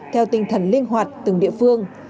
theo tinh thần linh hoạt từng địa phương